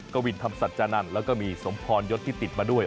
กวินธรรมสัจจานันทร์แล้วก็มีสมพรยศที่ติดมาด้วย